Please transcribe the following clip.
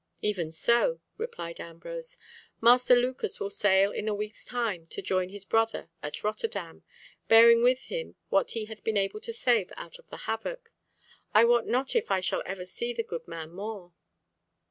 "Even so," replied Ambrose. "Master Lucas will sail in a week's time to join his brother at Rotterdam, bearing with him what he hath been able to save out of the havoc. I wot not if I shall ever see the good man more."